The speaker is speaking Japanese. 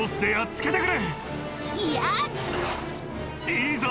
いいぞ！